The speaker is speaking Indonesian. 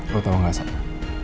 lo tau gak sabna